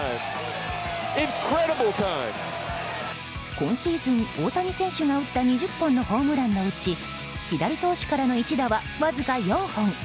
今シーズン、大谷選手が打った２０本のホームランのうち左投手からの一打はわずか４本。